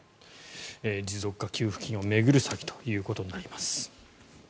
持続化給付金を巡る詐欺ということになります。